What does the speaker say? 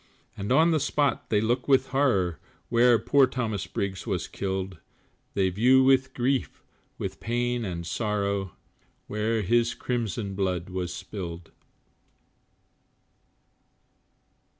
And on the spot they look with horror, Where poor Thomas Briggs was killed, They view with grief, with pain and sorrow, Where his crimson blood was spilled.